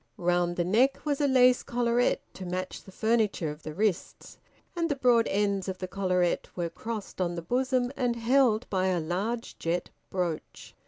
Round the neck was a lace collarette to match the furniture of the wrists, and the broad ends of the collarette were crossed on the bosom and held by a large jet brooch.